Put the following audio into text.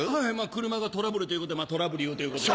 車がトラブルということで虎舞竜ということで。